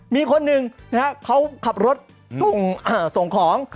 มีคนหนึ่งเขาขับรถส่งของ